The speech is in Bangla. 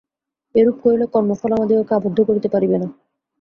এইরূপ করিলে কর্মফল আমাদিগকে আবদ্ধ করিতে পারিবে না।